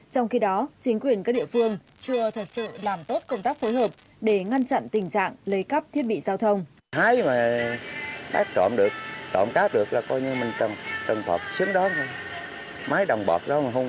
trong khi đó chính quyền các địa phương chưa thật sự làm tốt công tác phối hợp